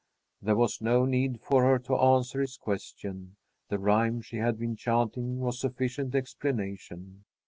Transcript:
There was no need for her to answer his question. The rhyme she had been chanting was sufficient explanation.